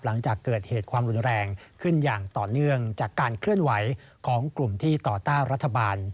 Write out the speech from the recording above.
หลังจากเกิดเหตุความรุนแรงขึ้นอย่างต่อเนื่องจากการเคลื่อนไหวของกลุ่มที่ต่อต้านรัฐบาล